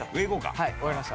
はいわかりました。